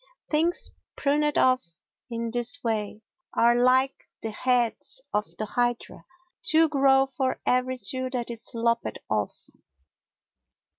Things pruned off in this way are like the heads of the hydra, two grow for every two that is lopped off.